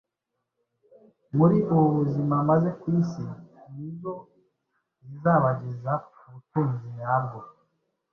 muri ubu buzima maze ku isi. Ni zo zizabageza ku butunzi nyabwo,